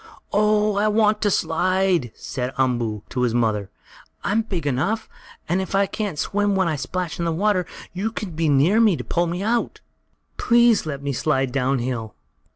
"Oh, I want to slide!" said Umboo to his mother. "I'm big enough, and if I can't swim when I splash in the water, you can be near to pull me out. Please let me slide down hill!"